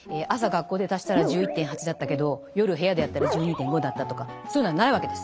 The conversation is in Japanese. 学校で足したら１１．８だったけど夜部屋でやったら１２．５だったとかそういうのはないわけです。